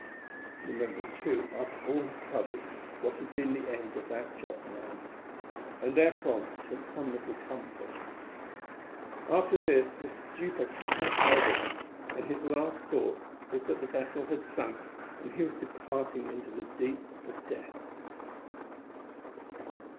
Remembered, too, after all his troubles, what had been the end of that just man, and therefrom took some little comfort. After this a stupor crept over him, and his last thought was that the vessel had sunk and he was departing into the deeps of death.